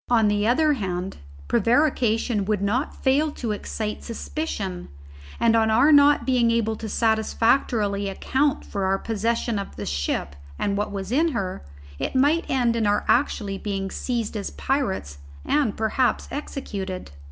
On the other hand prevarication would not fail to excite suspicion, and on our not being able to satisfactorily account for our possession of the ship and what was in her, it might end in our actually being seized as pirates and perhaps executed.